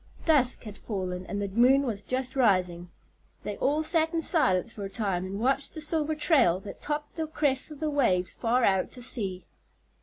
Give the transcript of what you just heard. Dusk had fallen and the moon was just rising. They all sat in silence for a time and watched the silver trail that topped the crests of the waves far out to sea.